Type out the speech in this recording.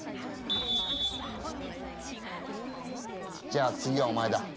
じゃあ次はお前だ。